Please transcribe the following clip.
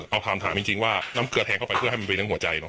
เอาถามถามจริงจริงว่าน้ำเกลือแทงเข้าไปเพื่อให้มันไปในหัวใจเนอะ